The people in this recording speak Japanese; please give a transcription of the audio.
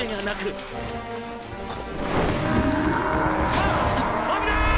「あっ危なーーい！！」